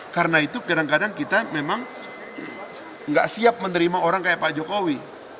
karena itu kadang kadang kita memang tidak siap menerima orang seperti pak jokowi